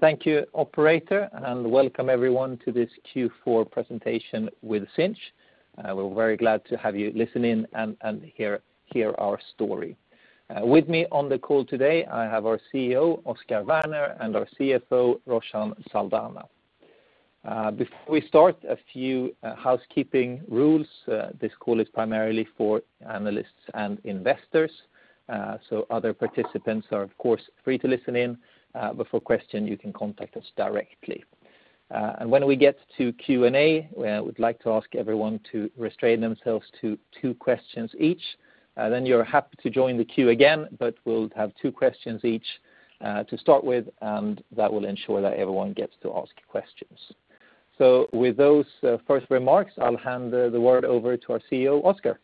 Thank you operator, welcome everyone to this Q4 presentation with Sinch. We're very glad to have you listen in and hear our story. With me on the call today, I have our Chief Executive Officer, Oscar Werner, and our Chief Financial Officer, Roshan Saldanha. Before we start, a few housekeeping rules. This call is primarily for analysts and investors. Other participants are, of course, free to listen in, for question, you can contact us directly. When we get to Q&A, we'd like to ask everyone to restrain themselves to two questions each. You're happy to join the queue again, we'll have two questions each to start with, that will ensure that everyone gets to ask questions. With those first remarks, I'll hand the word over to our Chief Executive Officer, Oscar. Thank you,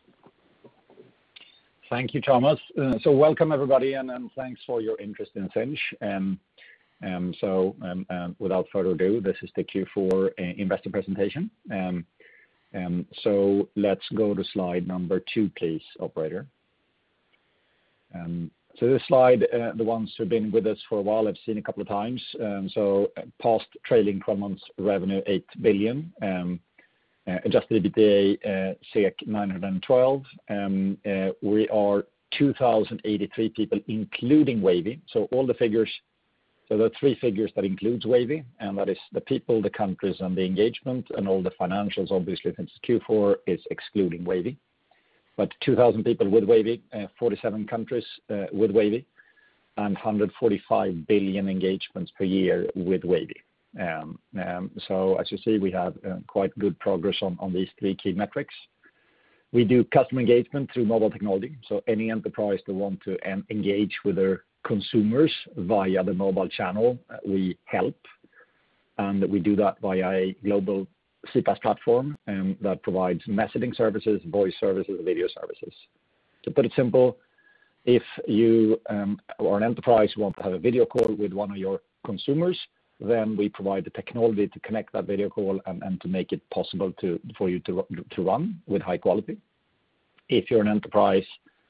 Thomas. Welcome everybody, and thanks for your interest in Sinch. Without further ado, this is the Q4 investor presentation. Let's go to slide number two please, operator. This slide, the ones who've been with us for a while have seen a couple of times. Past trailing 12 months revenue, 8 billion. Adjusted EBITDA, 912 million. We are 2,083 people, including Wavy. The three figures that includes Wavy, and that is the people, the countries, and the engagement, and all the financials, obviously, since Q4 is excluding Wavy. 2,000 people with Wavy, 47 countries with Wavy, and 145 billion engagements per year with Wavy. As you see, we have quite good progress on these three key metrics. We do customer engagement through mobile technology. Any enterprise that want to engage with their consumers via the mobile channel, we help. We do that via a global CPaaS platform, that provides messaging services, voice services, and video services. To put it simple, if you or an enterprise want to have a video call with one of your consumers, we provide the technology to connect that video call and to make it possible for you to run with high quality. If you're an enterprise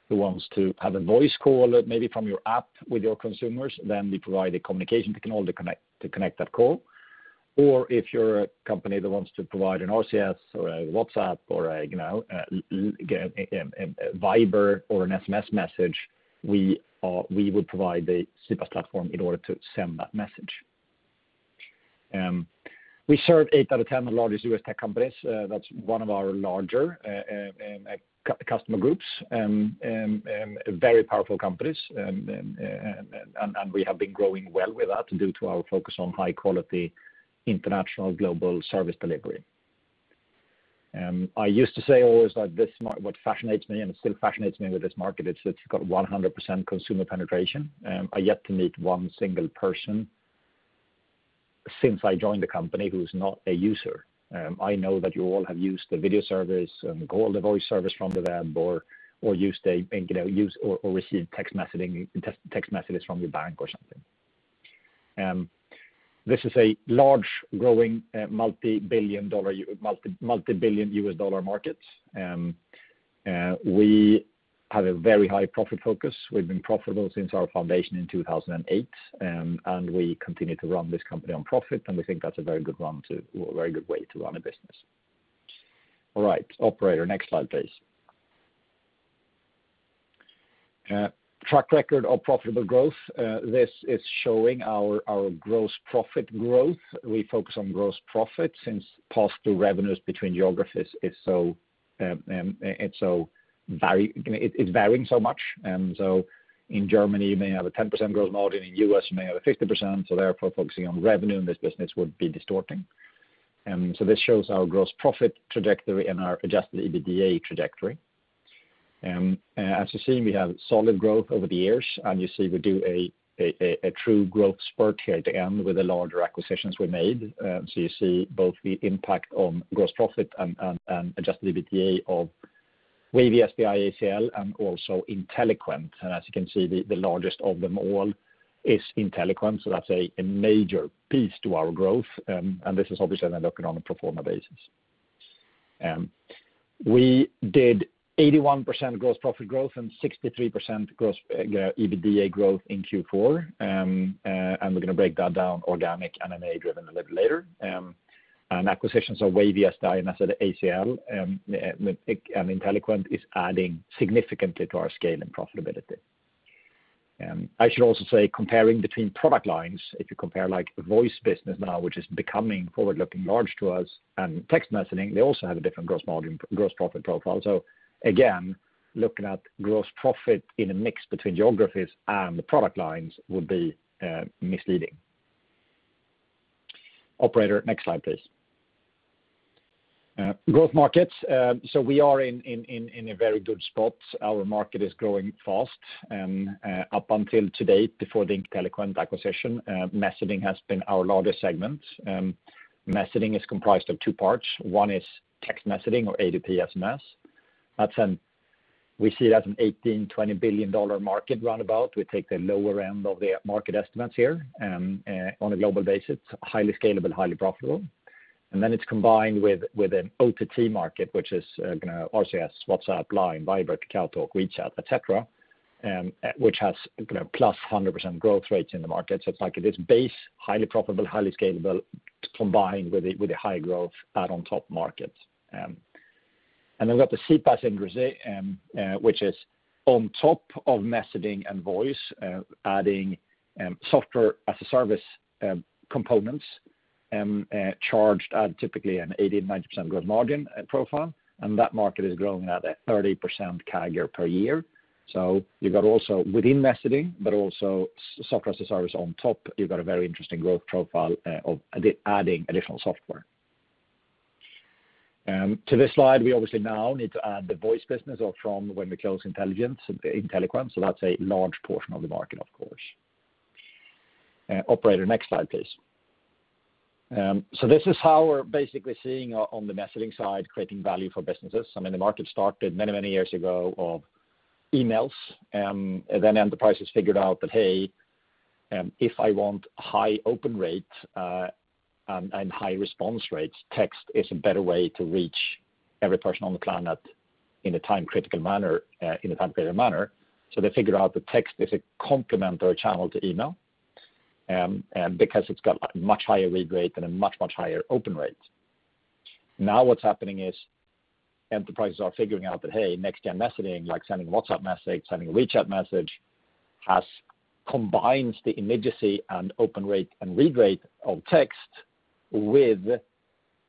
who wants to have a voice call, maybe from your app with your consumers, we provide a communication technology to connect that call. If you're a company that wants to provide an RCS or a WhatsApp or a Viber or an SMS message, we would provide the CPaaS platform in order to send that message. We serve eight out of 10 of the largest U.S. tech companies. That's one of our larger customer groups, very powerful companies. We have been growing well with that due to our focus on high-quality international global service delivery. I used to say always that this is what fascinates me, and it still fascinates me with this market, it's got 100% consumer penetration. I'm yet to meet one single person since I joined the company who's not a user. I know that you all have used the video service and call the voice service from the web or received text messages from your bank or something. This is a large, growing, multi-billion U.S. dollar market. We have a very high profit focus. We've been profitable since our foundation in 2008, and we continue to run this company on profit, and we think that's a very good way to run a business. All right, operator, next slide, please. Track record of profitable growth. This is showing our gross profit growth. We focus on gross profit since past due revenues between geographies, it's varying so much. In Germany, you may have a 10% growth margin. In U.S., you may have a 50%. Therefore, focusing on revenue in this business would be distorting. This shows our gross profit trajectory and our adjusted EBITDA trajectory. As you're seeing, we have solid growth over the years. You see we do a true growth spurt here at the end with the larger acquisitions we made. You see both the impact on gross profit and adjusted EBITDA of Wavy, SDI ACL, and also Inteliquent. As you can see, the largest of them all is Inteliquent. That's a major piece to our growth. This is obviously then looking on a pro forma basis. We did 81% gross profit growth and 63% gross EBITDA growth in Q4. We're going to break that down organic and M&A driven a little later. Acquisitions of Wavy, SDI, ACL, and Inteliquent is adding significantly to our scale and profitability. I should also say, comparing between product lines, if you compare voice business now, which is becoming forward-looking large to us, and text messaging, they also have a different gross profit profile. Again, looking at gross profit in a mix between geographies and the product lines would be misleading. Operator, next slide please. Growth markets. We are in a very good spot. Our market is growing fast, and up until to date, before the Inteliquent acquisition, messaging has been our largest segment. Messaging is comprised of two parts. One is text messaging or A2P SMS. We see it as an SEK 18 billion-SEK 20 billion market roundabout. We take the lower end of the market estimates here. On a global basis, highly scalable, highly profitable. Then it's combined with an OTT market, which is going to RCS, WhatsApp, LINE, Viber, KakaoTalk, WeChat, et cetera, which has +100% growth rates in the market. It's like this base, highly profitable, highly scalable, combined with the high growth add-on top market. Then we've got the CPaaS and Grense, which is on top of messaging and voice, adding software-as-a-service components, charged at typically an 80%, 90% growth margin profile, and that market is growing at a 30% CAGR per year. You've got also within messaging, but also software-as-a-service on top, you've got a very interesting growth profile of adding additional software. To this slide, we obviously now need to add the voice business or from when we close Inteliquent, That's a large portion of the market, of course. Operator, next slide, please. This is how we're basically seeing on the messaging side, creating value for businesses. The market started many years ago of emails, and then enterprises figured out that, hey, if I want high open rates, and high response rates, text is a better way to reach every person on the planet in a time-critical manner, in a time-better manner. They figured out that text is a complementary channel to email, because it's got a much higher read rate and a much higher open rate. Now what's happening is enterprises are figuring out that, hey, next-gen messaging, like sending a WhatsApp message, sending a WeChat message, has combined the immediacy and open rate and read rate of text with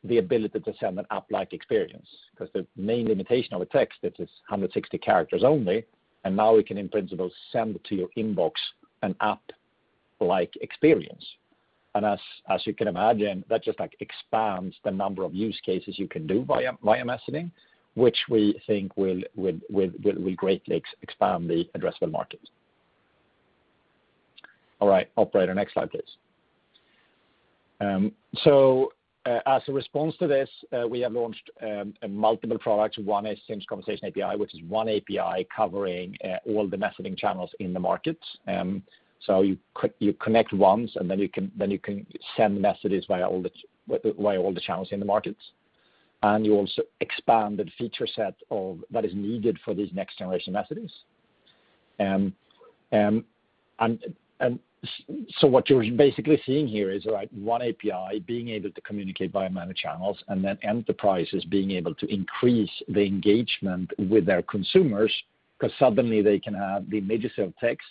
the ability to send an app-like experience, because the main limitation of a text it is 160 characters only, and now we can, in principle, send to your inbox an app-like experience. As you can imagine, that just expands the number of use cases you can do via messaging, which we think will greatly expand the addressable market. All right. Operator, next slide, please. As a response to this, we have launched multiple products. One is Sinch Conversation API, which is one API covering all the messaging channels in the market. You connect once, and then you can send messages via all the channels in the market. You also expand the feature set of what is needed for these next-generation messages. What you're basically seeing here is one API being able to communicate via many channels, and then enterprises being able to increase the engagement with their consumers, because suddenly they can have the immediacy of text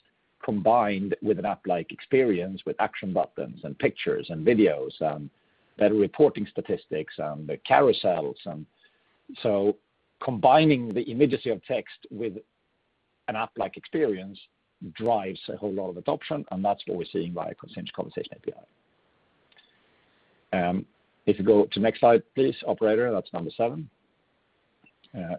combined with an app-like experience with action buttons and pictures and videos, better reporting statistics, and the carousels. Combining the immediacy of text with an app-like experience drives a whole lot of adoption, and that's what we're seeing via Sinch Conversation API. If you go to the next slide, please, operator. That's number seven.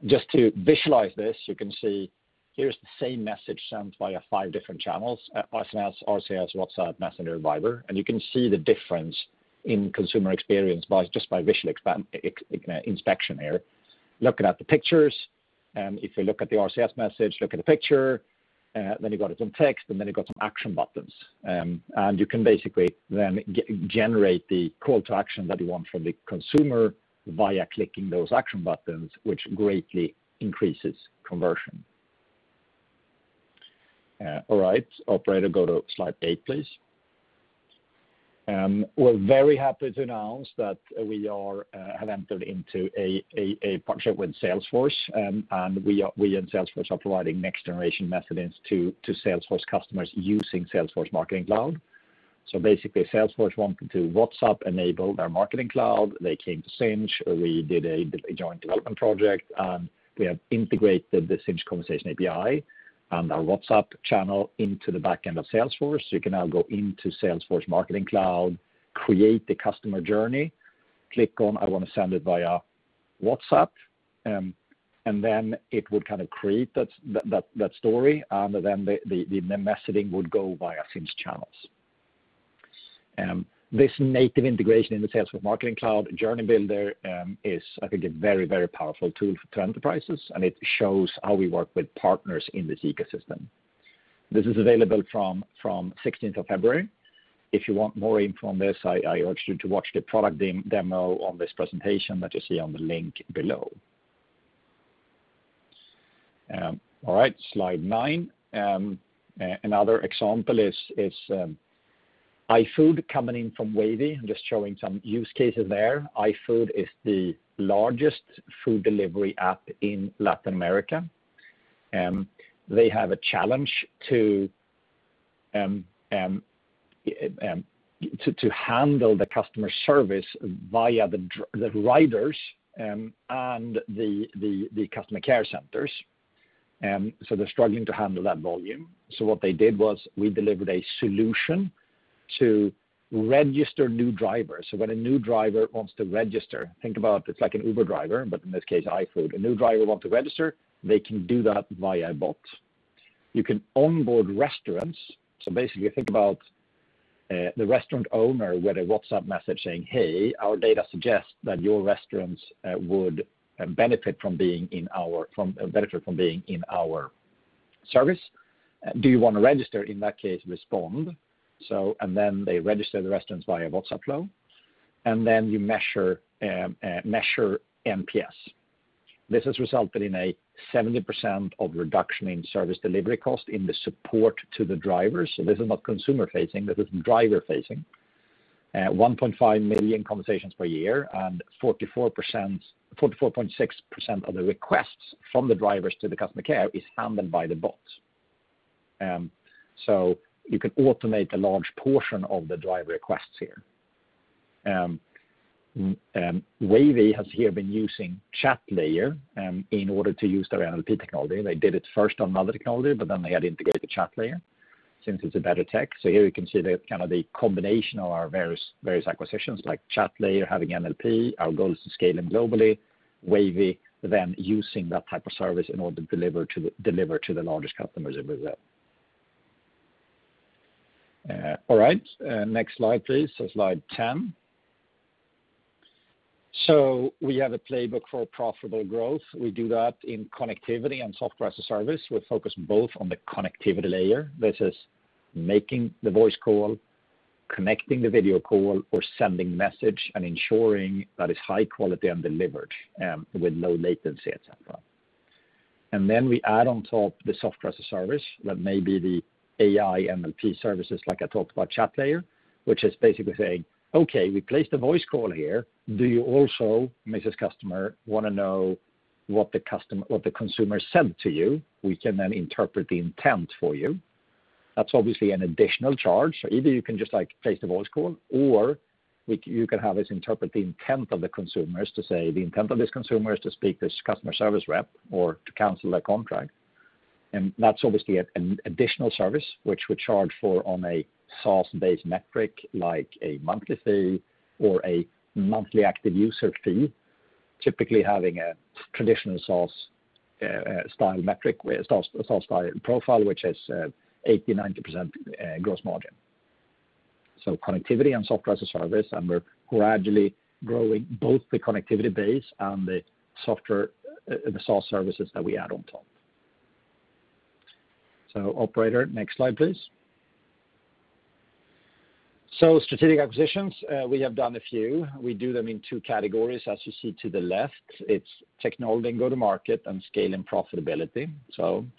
Just to visualize this, you can see here's the same message sent via five different channels, SMS, RCS, WhatsApp, Messenger, Viber, and you can see the difference in consumer experience just by visual inspection here. Looking at the pictures, if you look at the RCS message, look at the picture, then you've got some text, and then you've got some action buttons. You can basically then generate the call to action that you want from the consumer via clicking those action buttons, which greatly increases conversion. All right. Operator, go to slide eight, please. We're very happy to announce that we have entered into a partnership with Salesforce, and we and Salesforce are providing next-generation messaging to Salesforce customers using Salesforce Marketing Cloud. Basically, Salesforce wanted to WhatsApp enable their Marketing Cloud. They came to Sinch. We did a joint development project, and we have integrated the Sinch Conversation API and our WhatsApp channel into the back end of Salesforce. You can now go into Salesforce Marketing Cloud, create the customer journey, click on, I want to send it via WhatsApp, and then it would kind of create that story, and then the messaging would go via Sinch channels. This native integration in the Salesforce Marketing Cloud Journey Builder is, I think, a very, very powerful tool for enterprises, and it shows how we work with partners in this ecosystem. This is available from 16th of February. If you want more info on this, I urge you to watch the product demo on this presentation that you see on the link below. All right, slide nine. Another example is iFood coming in from Wavy. I'm just showing some use cases there. iFood is the largest food delivery app in Latin America. They have a challenge to handle the customer service via the riders and the customer care centers. They're struggling to handle that volume. What they did was we delivered a solution to register new drivers. When a new driver wants to register, think about it's like an Uber driver, but in this case, iFood. A new driver wants to register, they can do that via a bot. You can onboard restaurants. You think about the restaurant owner with a WhatsApp message saying, "Hey, our data suggests that your restaurants would benefit from being in our service. Do you want to register? In that case, respond. They register the restaurants via a bots workflow, then you measure NPS. This has resulted in a 70% of reduction in service delivery cost in the support to the drivers. This is not consumer-facing, but this is driver-facing. 1.5 million conversations per year and 44.6% of the requests from the drivers to the customer care is handled by the bots. You can automate a large portion of the driver requests here. Wavy has here been using Chatlayer, in order to use their NLP technology. They did it first on another technology, they had integrated the Chatlayer since it's a better tech. Here you can see the combination of our various acquisitions like Chatlayer having NLP, our goals to scale them globally, Wavy then using that type of service in order to deliver to the largest customers in Brazil. All right, next slide, please. Slide 10. We have a playbook for profitable growth. We do that in connectivity and software-as-a-service. We focus both on the connectivity layer. This is making the voice call, connecting the video call, or sending message and ensuring that it's high quality and delivered, with low latency, et cetera. Then we add on top the software-as-a-service. That may be the AI NLP services like I talked about Chatlayer, which is basically saying, "Okay, we placed a voice call here. Do you also, Mrs. Customer, want to know what the consumer sent to you? We can then interpret the intent for you." That's obviously an additional charge. Either you can just place the voice call or you can have us interpret the intent of the consumers to say, "The intent of this consumer is to speak to this customer service rep or to cancel their contract." That's obviously an additional service which we charge for on a SaaS-based metric like a monthly fee or a monthly active user fee, typically having a traditional SaaS style metric with a SaaS style profile, which has 80%-90% gross margin. Connectivity and software-as-a-service, and we're gradually growing both the connectivity base and the software, the SaaS services that we add on top. Operator, next slide, please. Strategic acquisitions, we have done a few. We do them in two categories, as you see to the left. It's technology and go-to-market and scale and profitability.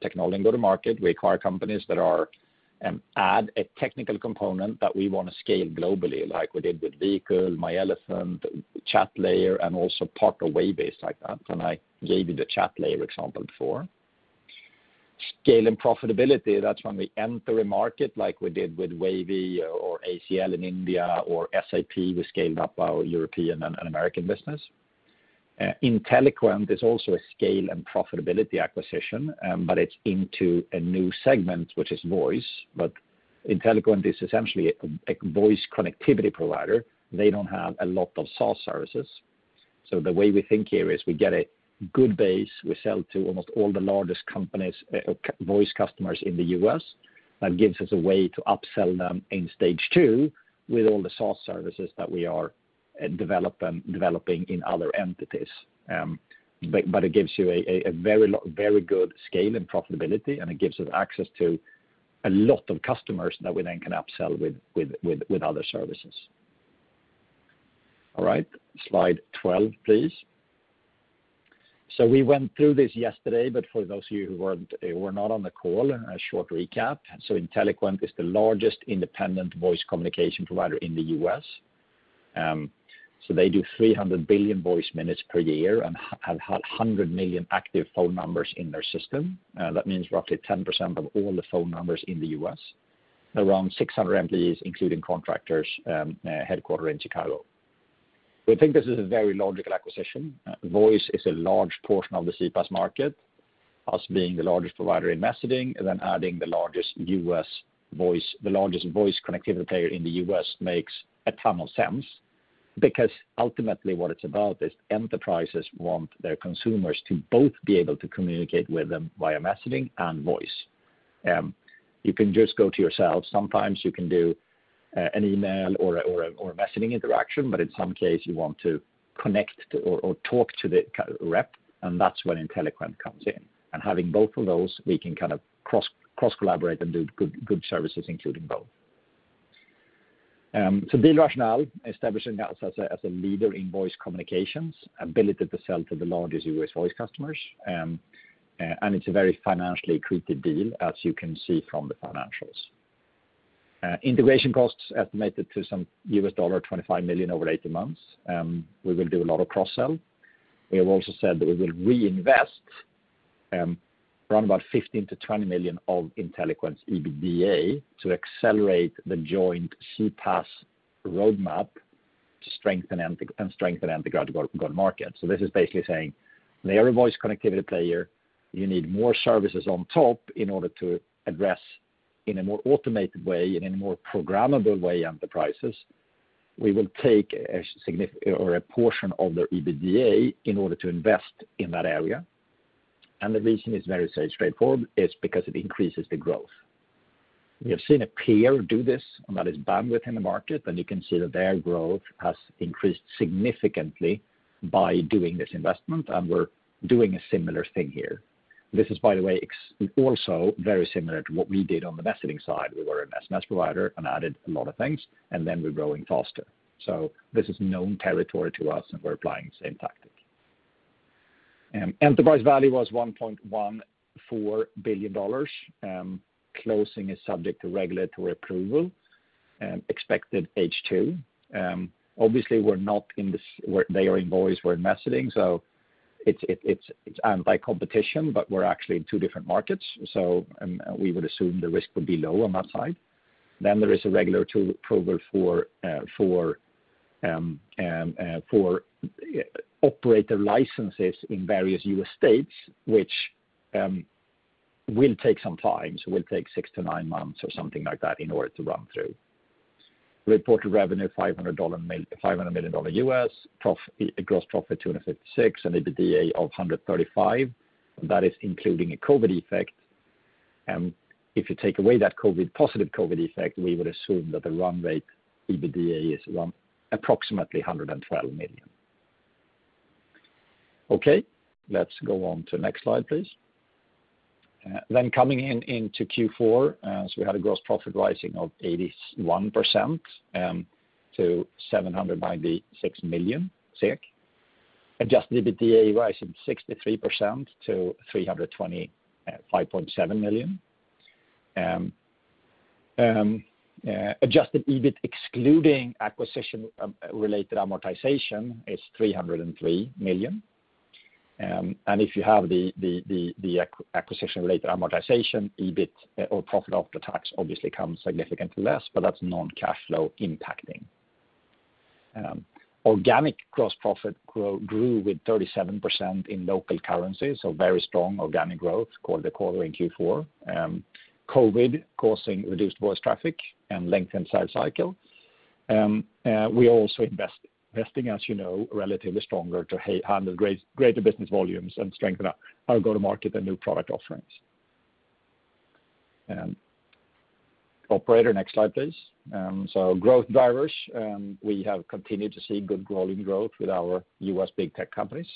Technology and go-to-market, we acquire companies that add a technical component that we want to scale globally like we did with Vehicle, myElefant, Chatlayer, and also part of Wavy is like that, and I gave you the Chatlayer example before. Scale and profitability, that's when we enter a market like we did with Wavy or ACL in India or SAP, we scaled up our European and American business. Inteliquent is also a scale and profitability acquisition, but it's into a new segment, which is voice. Inteliquent is essentially a voice connectivity provider. They don't have a lot of SaaS services. The way we think here is we get a good base. We sell to almost all the largest companies, voice customers in the U.S. That gives us a way to upsell them in stage two with all the SaaS services that we are developing in other entities. It gives you a very good scale and profitability, and it gives us access to a lot of customers that we then can upsell with other services. Slide 12, please. We went through this yesterday, for those of you who were not on the call, a short recap. Inteliquent is the largest independent voice communication provider in the U.S. They do 300 billion voice minutes per year and have 100 million active phone numbers in their system. That means roughly 10% of all the phone numbers in the U.S. Around 600 employees, including contractors, headquartered in Chicago. We think this is a very logical acquisition. Voice is a large portion of the CPaaS market, us being the largest provider in messaging, then adding the largest voice connectivity player in the U.S. makes a ton of sense because ultimately what it's about is enterprises want their consumers to both be able to communicate with them via messaging and voice. You can just go to yourselves. Sometimes you can do an email or a messaging interaction, but in some case, you want to connect to or talk to the rep, and that's when Inteliquent comes in. Having both of those, we can kind of cross-collaborate and do good services, including both. Deal rationale, establishing us as a leader in voice communications, ability to sell to the largest U.S. voice customers, and it's a very financially accretive deal as you can see from the financials. Integration costs estimated to some $25 million over 18 months. We will do a lot of cross-sell. We have also said that we will reinvest around about $15 million-$20 million of Inteliquent's EBITDA to accelerate the joint CPaaS roadmap and strengthen enter the go-to-market. This is basically saying they are a voice connectivity player. You need more services on top in order to address in a more automated way and in a more programmable way, enterprises. We will take a portion of their EBITDA in order to invest in that area, and the reason is very straightforward. It's because it increases the growth. We have seen a peer do this, and that is bandwidth in the market. You can see that their growth has increased significantly by doing this investment, and we're doing a similar thing here. This is, by the way, also very similar to what we did on the messaging side. We were a SMS provider and added a lot of things, and then we're growing faster. This is known territory to us, and we're applying the same tactic. Enterprise value was $1.14 billion. Closing is subject to regulatory approval, expected H2. They are in voice, we're in messaging, so it's by competition, but we're actually in two different markets, and we would assume the risk would be low on that side. There is a regular approval for operator licenses in various U.S. states, which will take some time. Will take six to nine months or something like that in order to run through. Reported revenue, $500 million, gross profit $256 million, and EBITDA of $135 million. That is including a COVID-19 effect. If you take away that positive COVID effect, we would assume that the run rate EBITDA is approximately $112 million. Let's go on to the next slide, please. Coming into Q4, we had a gross profit rising of 81% to SEK 796 million. Adjusted EBITDA rising 63% to 325.7 million. Adjusted EBIT excluding acquisition-related amortization is 303 million. If you have the acquisition-related amortization, EBIT or profit after tax obviously comes significantly less, that's non-cash flow impacting. Organic gross profit grew with 37% in local currency, very strong organic growth quarter-on-quarter in Q4. COVID causing reduced voice traffic and length in sales cycle. We are also investing, as you know, relatively stronger to handle greater business volumes and strengthen our go-to-market and new product offerings. Operator, next slide, please. Growth drivers. We have continued to see good growing growth with our U.S. big tech companies.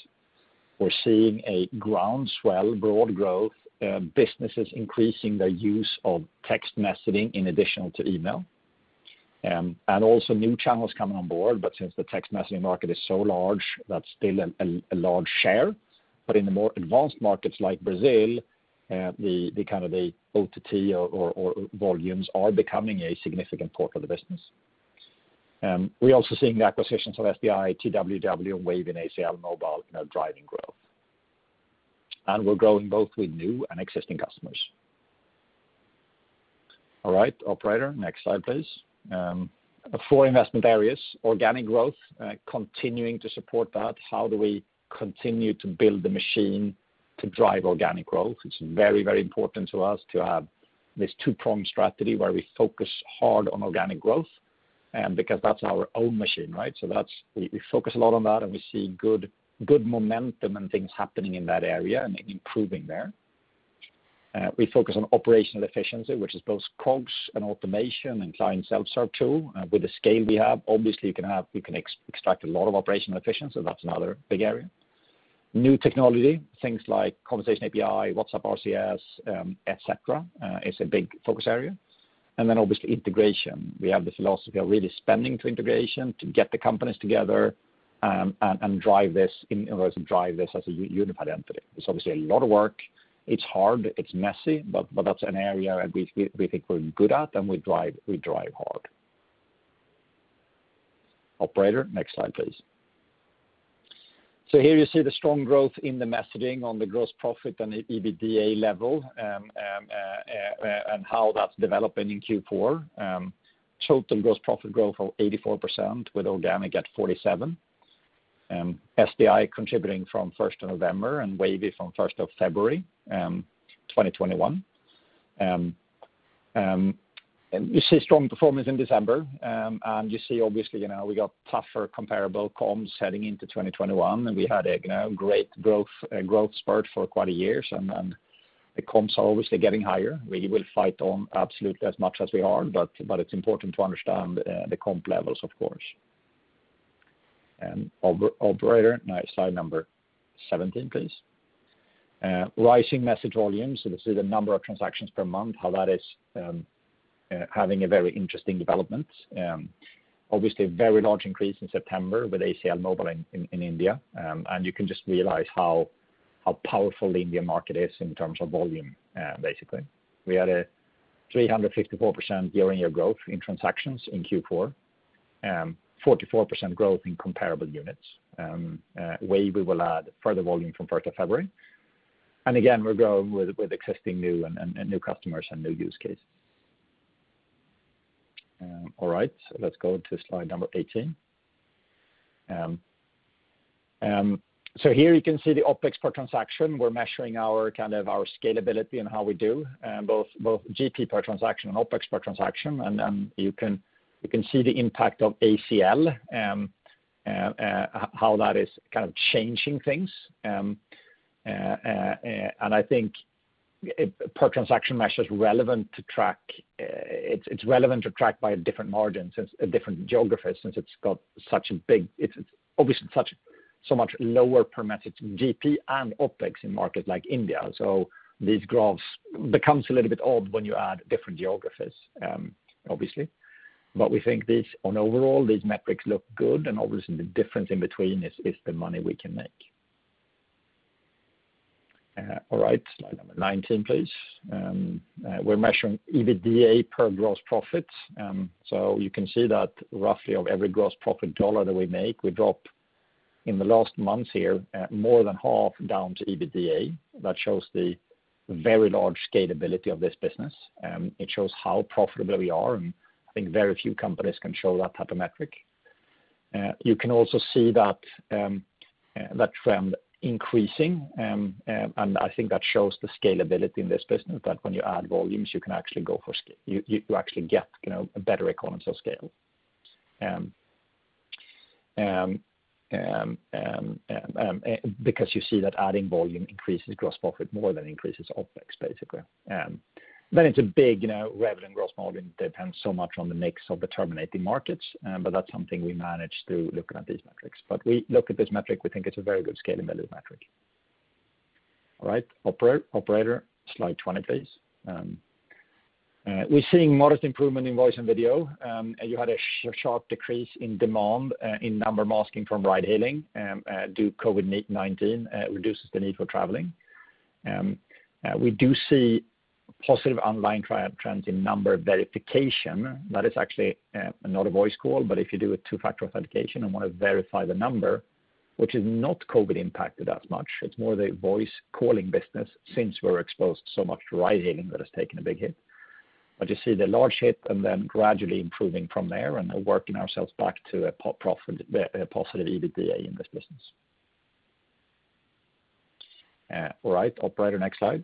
We're seeing a groundswell, broad growth, businesses increasing their use of text messaging in additional to email, and also new channels coming on board. Since the text messaging market is so large, that's still a large share. In the more advanced markets like Brazil, the kind of the OTT or volumes are becoming a significant part of the business. We're also seeing the acquisitions of SDI, TWW, Wavy, and ACL Mobile now driving growth. We're growing both with new and existing customers. All right, operator, next slide, please. Four investment areas. Organic growth, continuing to support that. How do we continue to build the machine to drive organic growth? It's very important to us to have this two-pronged strategy, where we focus hard on organic growth, because that's our own machine, right? We focus a lot on that, and we see good momentum and things happening in that area and improving there. We focus on operational efficiency, which is both COGS and automation and client self-serve tool. With the scale we have, obviously, we can extract a lot of operational efficiency. That's another big area. New technology, things like Conversation API, WhatsApp, RCS, et cetera, is a big focus area. Then obviously integration. We have this philosophy of really spending to integration to get the companies together, and drive this as a unified entity. It's obviously a lot of work. It's hard, it's messy, but that's an area we think we're good at, and we drive hard. Operator, next slide, please. Here you see the strong growth in the messaging on the gross profit and the EBITDA level, and how that's developing in Q4. Total gross profit growth of 84%, with organic at 47%. SDI contributing from 1st of November and Wavy from 1st of February 2021. You see strong performance in December, you see, obviously, we got tougher comparable comps heading into 2021, we had a great growth spurt for quite a year. The comps are obviously getting higher. We will fight on absolutely as much as we are, but it's important to understand the comp levels, of course. Operator, slide number 17, please. Rising message volumes. This is the number of transactions per month, how that is having a very interesting development. Obviously, a very large increase in September with ACL Mobile in India. You can just realize how powerful the India market is in terms of volume, basically. We had a 354% year-on-year growth in transactions in Q4, 44% growth in comparable units. Wavy, we will add further volume from 1st of February. Again, we're growing with existing and new customers and new use case. Let's go to slide number 18. Here you can see the OpEx per transaction. We're measuring our scalability and how we do, both GP per transaction and OpEx per transaction. You can see the impact of ACL. How that is changing things. I think per transaction measure, it's relevant to track by different margins, since different geographies, since it's obviously so much lower per message, GP and OpEx in market like India. These graphs becomes a little bit odd when you add different geographies, obviously. We think on overall, these metrics look good, and obviously the difference in between is the money we can make. Slide number 19, please. We're measuring EBITDA per gross profits. You can see that roughly of every gross profit dollar that we make, we drop in the last month here, more than half down to EBITDA. That shows the very large scalability of this business. It shows how profitable we are, and I think very few companies can show that type of metric. You can also see that trend increasing, and I think that shows the scalability in this business, that when you add volumes, you actually get better economies of scale. You see that adding volume increases gross profit more than increases OpEx, basically. Gross margin depends so much on the mix of the terminating markets. That's something we manage through looking at these metrics. We look at this metric, we think it's a very good scalability metric. All right, operator, slide 20, please. We're seeing modest improvement in voice and video. You had a sharp decrease in demand in number masking from ride hailing, due COVID-19 reduces the need for traveling. We do see positive online trial trends in number verification. That is actually not a voice call, but if you do a two-factor authentication and want to verify the number, which is not COVID impacted that much, it's more the voice calling business, since we're exposed so much to ride hailing that has taken a big hit. You see the large hit and then gradually improving from there, and we're working ourselves back to a positive EBITDA in this business. All right, operator, next slide.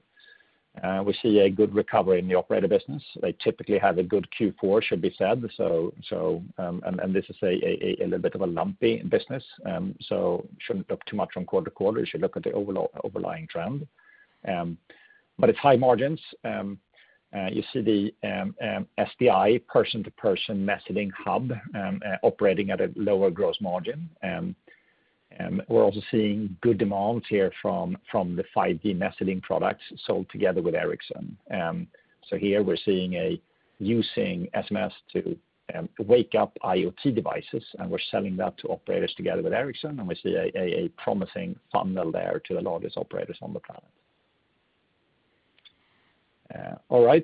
We see a good recovery in the operator business. They typically have a good Q4, should be said, and this is a little bit of a lumpy business. Shouldn't look too much on quarter to quarter, you should look at the underlying trend. It's high margins. You see the SDI person to person messaging hub operating at a lower gross margin. We're also seeing good demand here from the 5G messaging products sold together with Ericsson. Here we're seeing using SMS to wake up IoT devices, and we're selling that to operators together with Ericsson, and we see a promising funnel there to the largest operators on the planet. All right,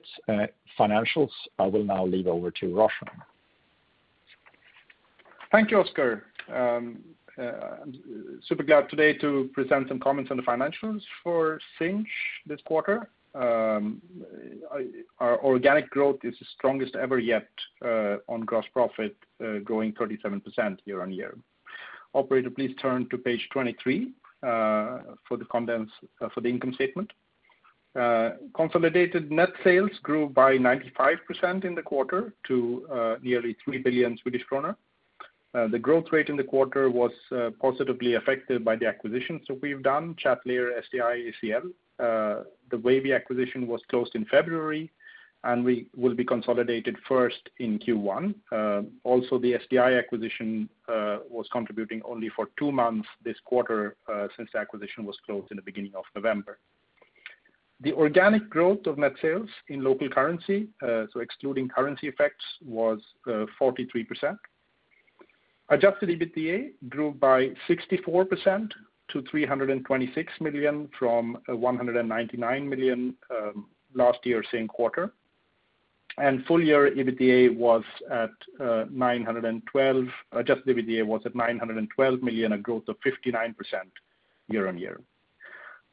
financials. I will now leave over to Roshan. Thank you, Oscar. Super glad today to present some comments on the financials for Sinch this quarter. Our organic growth is the strongest ever yet on gross profit, growing 37% year-on-year. Operator, please turn to page 23 for the income statement. Consolidated net sales grew by 95% in the quarter to nearly 3 billion. The growth rate in the quarter was positively affected by the acquisitions that we've done, Chatlayer, SDI, ACL. The Wavy acquisition was closed in February. We will be consolidated first in Q1. The SDI acquisition was contributing only for two months this quarter, since the acquisition was closed in the beginning of November. The organic growth of net sales in local currency, so excluding currency effects, was 43%. Adjusted EBITDA grew by 64% to 326 million from 199 million last year, same quarter. Full year EBITDA was at SEK 912 million. Adjusted EBITDA was at 912 million, a growth of 59% year-over-year.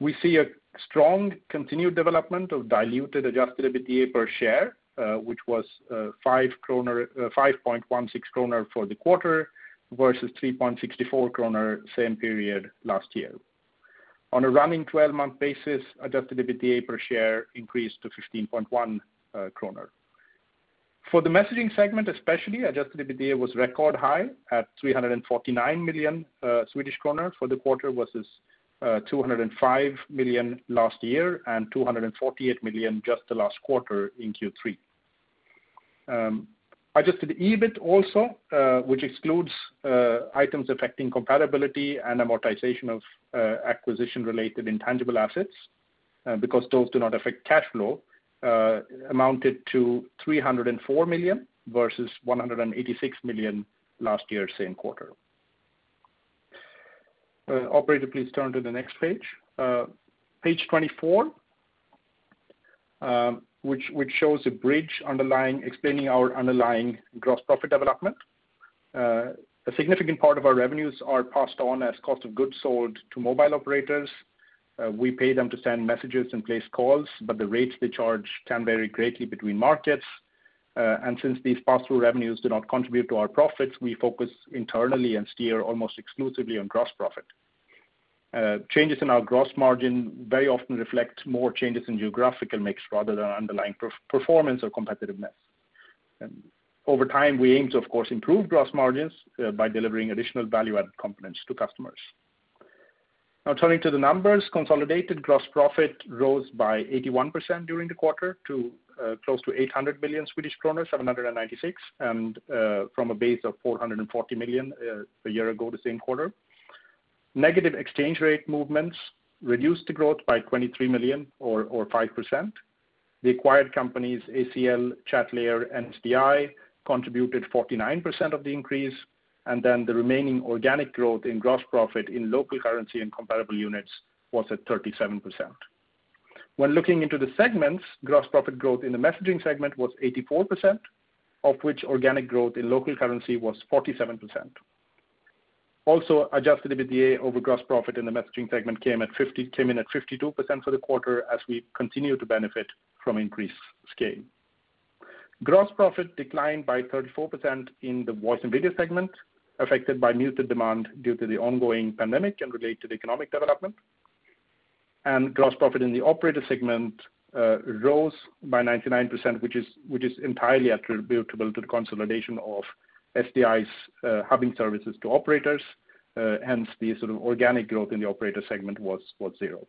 We see a strong continued development of diluted adjusted EBITDA per share, which was 5.16 kronor for the quarter versus 3.64 kronor same period last year. On a running 12-month basis, adjusted EBITDA per share increased to 15.1 kronor. For the messaging segment especially, adjusted EBITDA was record high at 349 million Swedish kronor for the quarter versus 205 million last year and 248 million just the last quarter in Q3. Adjusted EBIT also, which excludes items affecting comparability and amortization of acquisition-related intangible assets, because those do not affect cash flow, amounted to 304 million versus 186 million last year, same quarter. Operator, please turn to the next page. Page 24, which shows a bridge explaining our underlying gross profit development. A significant part of our revenues are passed on as cost of goods sold to mobile operators. The rates they charge can vary greatly between markets. Since these pass-through revenues do not contribute to our profits, we focus internally and steer almost exclusively on gross profit. Changes in our gross margin very often reflect more changes in geographical mix rather than underlying performance or competitiveness. Over time, we aim to, of course, improve gross margins by delivering additional value-added components to customers. Now turning to the numbers, consolidated gross profit rose by 81% during the quarter to close to 800 million Swedish kronor, 796 million, and from a base of 440 million a year ago the same quarter. Negative exchange rate movements reduced the growth by 23 million or 5%. The acquired companies, ACL, Chatlayer, and SDI, contributed 49% of the increase. The remaining organic growth in gross profit in local currency and comparable units was at 37%. When looking into the segments, gross profit growth in the messaging segment was 84%, of which organic growth in local currency was 47%. Also, adjusted EBITDA over gross profit in the messaging segment came in at 52% for the quarter as we continue to benefit from increased scale. Gross profit declined by 34% in the voice and video segment, affected by muted demand due to the ongoing pandemic and related economic development. Gross profit in the operator segment rose by 99%, which is entirely attributable to the consolidation of SDI's hubbing services to operators. Hence, the organic growth in the operator segment was zero.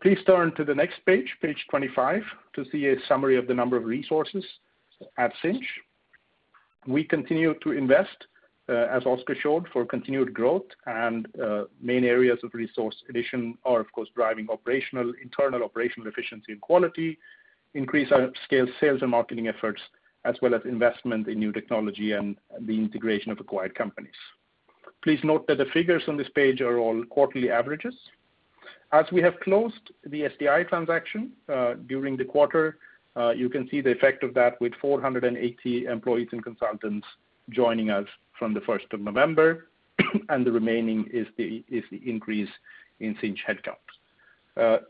Please turn to the next page 25, to see a summary of the number of resources at Sinch. We continue to invest, as Oscar showed, for continued growth. Main areas of resource addition are, of course, driving operational, internal operational efficiency and quality, increase scale sales and marketing efforts, as well as investment in new technology and the integration of acquired companies. Please note that the figures on this page are all quarterly averages. As we have closed the SDI transaction during the quarter, you can see the effect of that with 480 employees and consultants joining us from the 1st of November. The remaining is the increase in Sinch headcounts.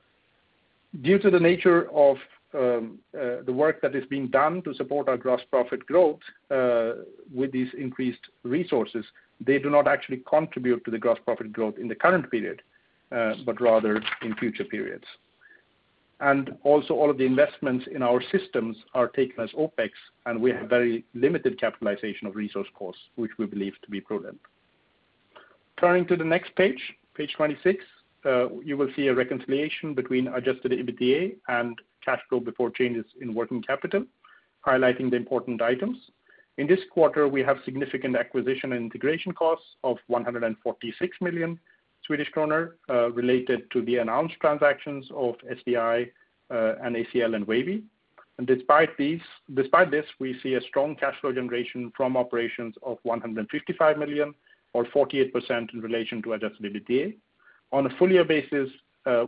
Due to the nature of the work that is being done to support our gross profit growth with these increased resources, they do not actually contribute to the gross profit growth in the current period, but rather in future periods. Also, all of the investments in our systems are taken as OpEx, and we have very limited capitalization of resource costs, which we believe to be prudent. Turning to the next page 28, you will see a reconciliation between adjusted EBITDA and cash flow before changes in working capital, highlighting the important items. In this quarter, we have significant acquisition and integration costs of 146 million Swedish kronor related to the announced transactions of SDI, ACL, and Wavy. Despite this, we see a strong cash flow generation from operations of 155 million or 48% in relation to adjusted EBITDA. On a full year basis,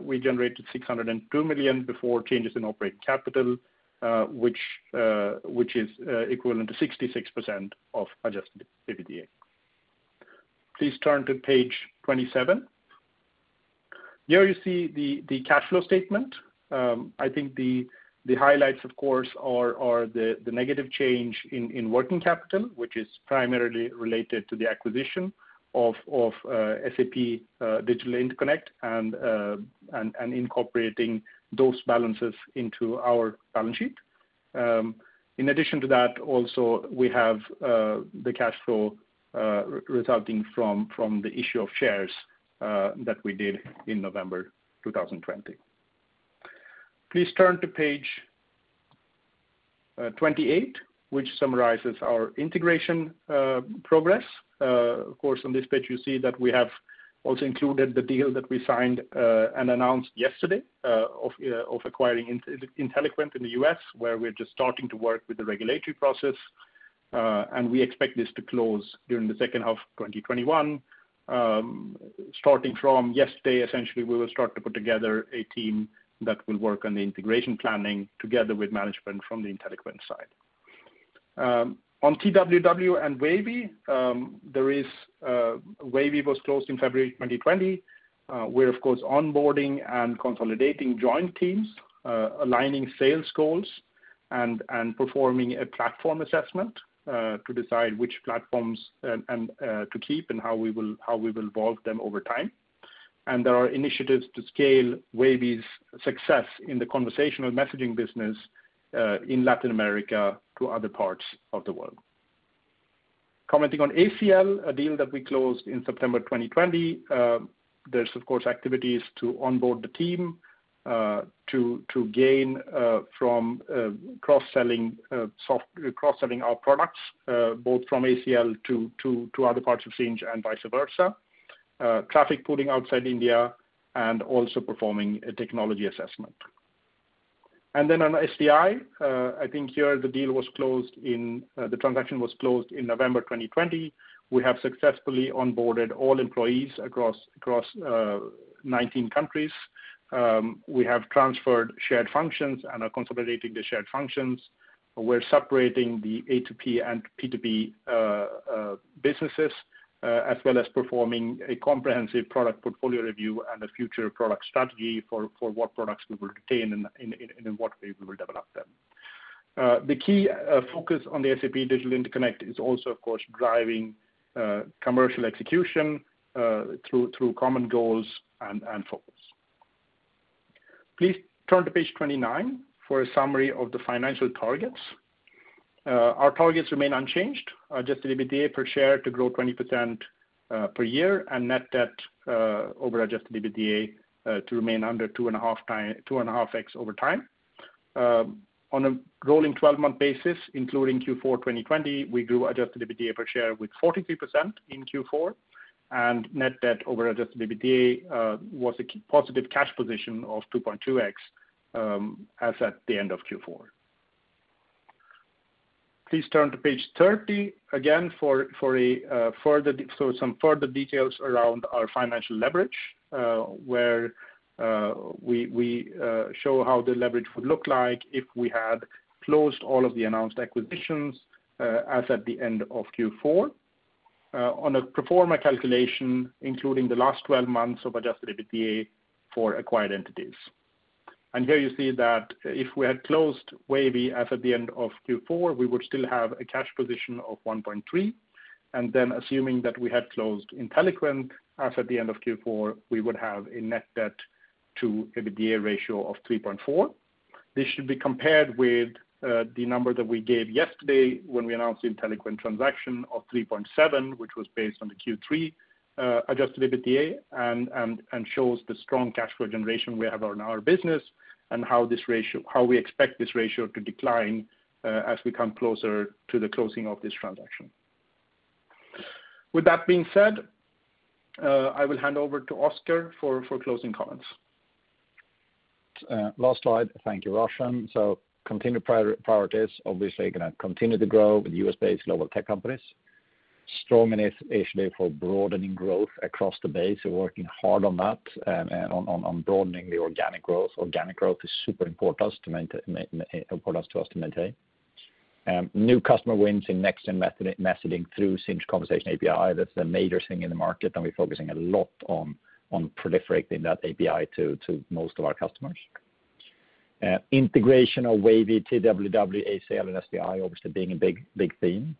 we generated 602 million before changes in operating capital, which is equivalent to 66% of adjusted EBITDA. Please turn to page 27. Here you see the cash flow statement. I think the highlights, of course, are the negative change in working capital, which is primarily related to the acquisition of SAP Digital Interconnect and incorporating those balances into our balance sheet. In addition to that, also, we have the cash flow resulting from the issue of shares that we did in November 2020. Please turn to page 28, which summarizes our integration progress. Of course, on this page, you see that we have also included the deal that we signed and announced yesterday of acquiring Inteliquent in the U.S., where we're just starting to work with the regulatory process. We expect this to close during the second half of 2021. Starting from yesterday, essentially, we will start to put together a team that will work on the integration planning together with management from the Inteliquent side. On TWW and Wavy was closed in February 2020. We're, of course, onboarding and consolidating joint teams, aligning sales goals, and performing a platform assessment to decide which platforms to keep and how we will evolve them over time. There are initiatives to scale Wavy's success in the conversational messaging business in Latin America to other parts of the world. Commenting on ACL, a deal that we closed in September 2020, there's, of course, activities to onboard the team, to gain from cross-selling our products, both from ACL to other parts of Sinch and vice versa. Traffic pooling outside India, and also performing a technology assessment. On SDI, I think here the transaction was closed in November 2020. We have successfully onboarded all employees across 19 countries. We have transferred shared functions and are consolidating the shared functions. We're separating the A2P and P2P businesses, as well as performing a comprehensive product portfolio review and a future product strategy for what products we will retain and in what way we will develop them. The key focus on the SAP Digital Interconnect is also, of course, driving commercial execution through common goals and focus. Please turn to page 29 for a summary of the financial targets. Our targets remain unchanged. Adjusted EBITDA per share to grow 20% per year and net debt over adjusted EBITDA to remain under 2.5x over time. On a rolling 12-month basis, including Q4 2020, we grew adjusted EBITDA per share with 43% in Q4, and net debt over adjusted EBITDA was a positive cash position of 2.2x as at the end of Q4. Please turn to page 30, again, for some further details around our financial leverage, where we show how the leverage would look like if we had closed all of the announced acquisitions as at the end of Q4. On a pro forma calculation, including the last 12 months of adjusted EBITDA for acquired entities. Here you see that if we had closed Wavy as at the end of Q4, we would still have a cash position of 1.3x. Assuming that we had closed Inteliquent as at the end of Q4, we would have a net debt to EBITDA ratio of 3.4x. This should be compared with the number that we gave yesterday when we announced the Inteliquent transaction of 3.7x, which was based on the Q3 adjusted EBITDA and shows the strong cash flow generation we have in our business and how we expect this ratio to decline as we come closer to the closing of this transaction. With that being said, I will hand over to Oscar for closing comments. Last slide. Thank you, Roshan. Continued priorities, obviously, going to continue to grow with U.S.-based global tech companies. Strong initiative for broadening growth across the base. We're working hard on that and on broadening the organic growth. Organic growth is super important for us to maintain. New customer wins in next-gen messaging through Sinch Conversation API. That's a major thing in the market, and we're focusing a lot on proliferating that API to most of our customers. Integration of Wavy, TWW, ACL, and SDI, obviously being a big theme.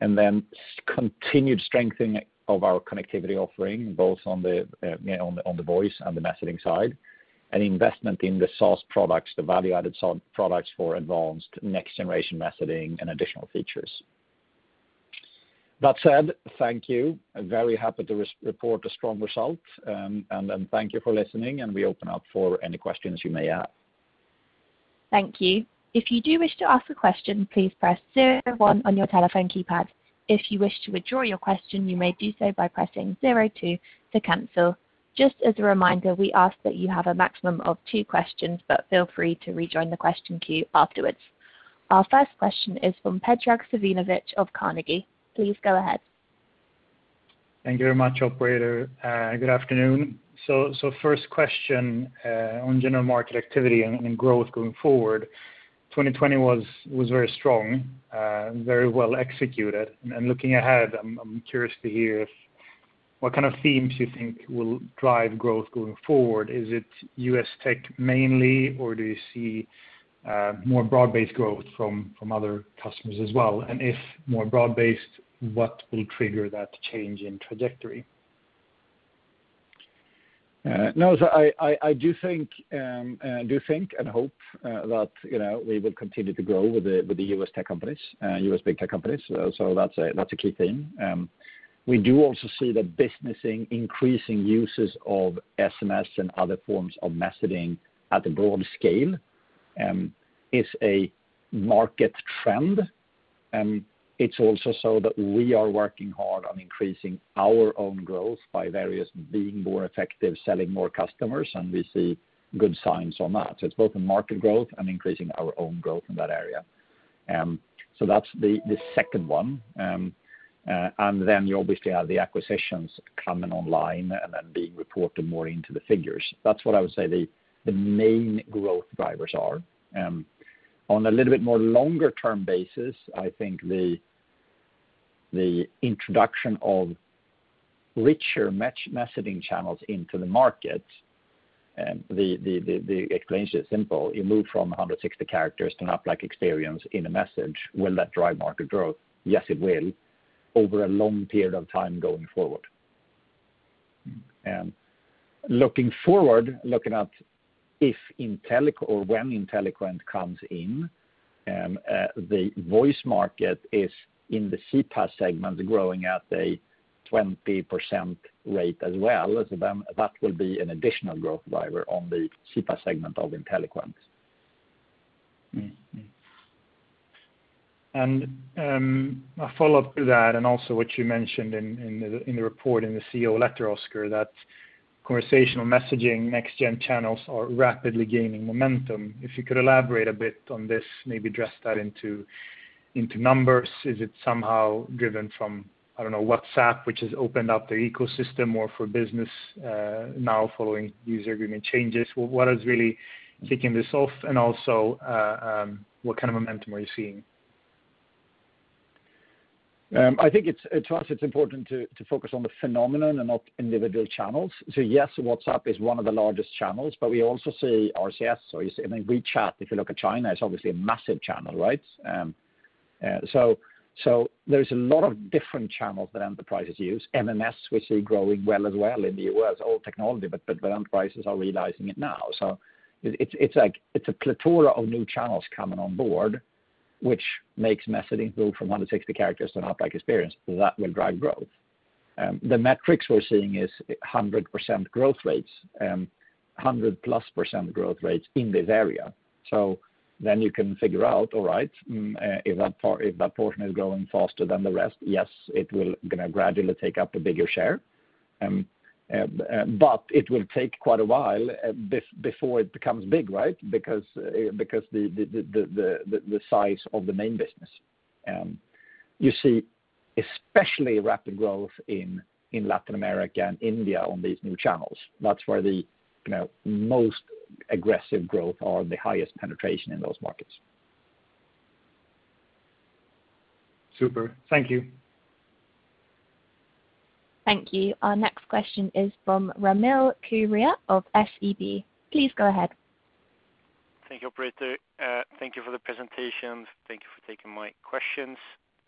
Continued strengthening of our connectivity offering, both on the voice and the messaging side. Investment in the SaaS products, the value-added products for advanced next-generation messaging and additional features. That said, thank you. Very happy to report a strong result. Thank you for listening, and we open up for any questions you may have. Thank you. If you do wish to ask a question please press star then one on your telephone keypad. If you wish to withdraw your question you may do so by pressing zero two to cancel. Just as a reminder we ask that you have a maximum of two questions but feel free to rejoin the question queue afterwards. Our first question is from Predrag Savinovic of Carnegie. Please go ahead. Thank you very much, operator. Good afternoon. First question, on general market activity and growth going forward. 2020 was very strong, very well executed. Looking ahead, I'm curious to hear what kind of themes you think will drive growth going forward. Is it U.S. tech mainly, or do you see more broad-based growth from other customers as well? If more broad-based, what will trigger that change in trajectory? No, I do think and hope that we will continue to grow with the U.S. big tech companies. That's a key thing. We do also see the business in increasing uses of SMS and other forms of messaging at a broad scale. It's a market trend, and it's also so that we are working hard on increasing our own growth by various being more effective, selling more customers, and we see good signs on that. It's both in market growth and increasing our own growth in that area. That's the second one. You obviously have the acquisitions coming online and then being reported more into the figures. That's what I would say the main growth drivers are. On a little bit more longer-term basis, I think the introduction of richer messaging channels into the market. The explanation is simple. You move from 160 characters to an app-like experience in a message. Will that drive market growth? Yes, it will, over a long period of time going forward. Looking forward, looking at if or when Inteliquent comes in, the voice market is in the CPaaS segment, growing at a 20% rate as well. That will be an additional growth driver on the CPaaS segment of Inteliquent. Mm-hmm. A follow-up to that and also what you mentioned in the report in the Chief Executive Officer letter, Oscar, that conversational messaging next-gen channels are rapidly gaining momentum. If you could elaborate a bit on this, maybe dress that into numbers. Is it somehow driven from, I don't know, WhatsApp, which has opened up their ecosystem more for business now following user agreement changes? What is really kicking this off, and also, what kind of momentum are you seeing? To us, it's important to focus on the phenomenon and not individual channels. Yes, WhatsApp is one of the largest channels, but we also see RCS. You see WeChat, if you look at China, is obviously a massive channel. There's a lot of different channels that enterprises use. MMS, we see growing well as well in the U.S. old technology, enterprises are realizing it now. It's a plethora of new channels coming on board, which makes messaging go from 160 characters to an app-like experience that will drive growth. The metrics we're seeing is 100% growth rates, 100%+ growth rates in this area. You can figure out, all right, if that portion is growing faster than the rest, yes, it will gradually take up a bigger share. It will take quite a while before it becomes big. Because the size of the main business, you see especially rapid growth in Latin America and India on these new channels. That is where the most aggressive growth or the highest penetration in those markets. Super. Thank you. Thank you. Our next question is from Ramil Koria of SEB. Please go ahead. Thank you, operator. Thank you for the presentation. Thank you for taking my questions.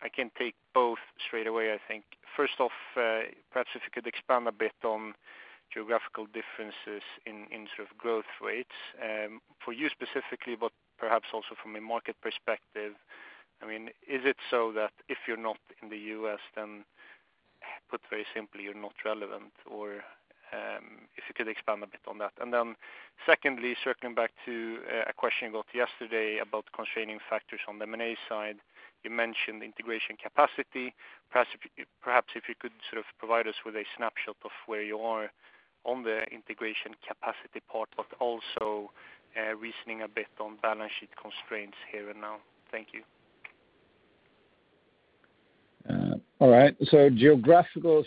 I can take both straight away, I think. First off, perhaps if you could expand a bit on geographical differences in sort of growth rates. For you specifically, but perhaps also from a market perspective, is it so that if you're not in the U.S., then put very simply, you're not relevant? If you could expand a bit on that. Secondly, circling back to a question you got yesterday about constraining factors on the M&A side, you mentioned integration capacity. Perhaps if you could sort of provide us with a snapshot of where you are on the integration capacity part, but also reasoning a bit on balance sheet constraints here and now. Thank you. All right. Geographical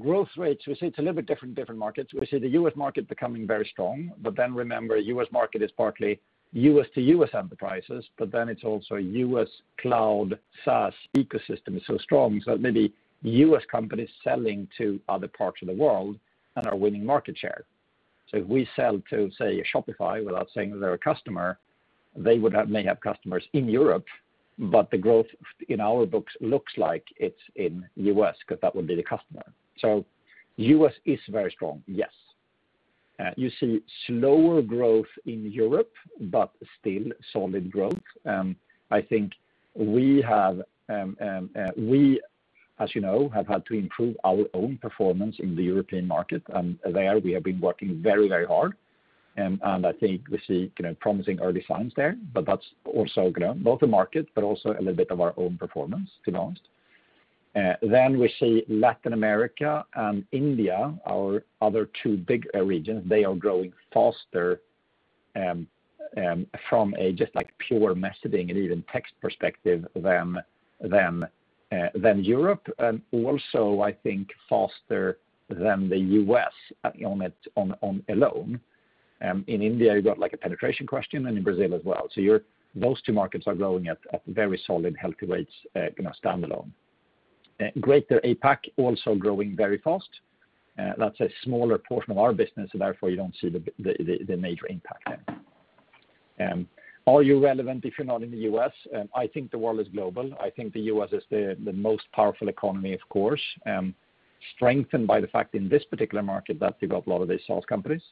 growth rates, we see it's a little bit different in different markets. We see the U.S. market becoming very strong, but remember, U.S. market is partly U.S. to U.S. enterprises, but it's also U.S. cloud SaaS ecosystem is so strong. Maybe U.S. companies selling to other parts of the world and are winning market share. If we sell to, say, Shopify, without saying that they're a customer, they may have customers in Europe, but the growth in our books looks like it's in the U.S. because that would be the customer. U.S. is very strong, yes. You see slower growth in Europe, but still solid growth. I think we, as you know, have had to improve our own performance in the European market, and there we have been working very hard. I think we see promising early signs there, but that's also both the market, but also a little bit of our own performance to be honest. We see Latin America and India, our other two big regions, they are growing faster from a just like pure messaging and even text perspective than Europe. I think faster than the U.S. on its own alone. In India, you got like a penetration question and in Brazil as well. Those two markets are growing at very solid, healthy rates standalone. Greater APAC also growing very fast. That's a smaller portion of our business, so therefore you don't see the major impact there. Are you relevant if you're not in the U.S.? I think the world is global. I think the U.S. is the most powerful economy, of course, strengthened by the fact in this particular market that you've got a lot of the sales companies.